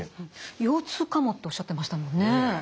腰痛かもっておっしゃってましたもんね。